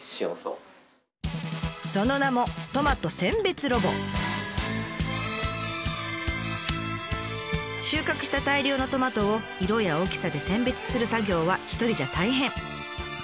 その名も収穫した大量のトマトを色や大きさで選別する作業は一人じゃ大変。